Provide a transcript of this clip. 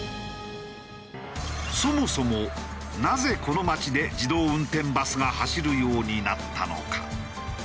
そもそもなぜこの町で自動運転バスが走るようになったのか？